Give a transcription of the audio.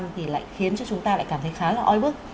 thì lại khiến cho chúng ta lại cảm thấy khá là oi bức